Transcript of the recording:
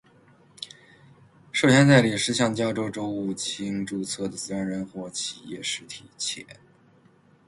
授权代理是向加州州务卿注册的自然人或企业实体；且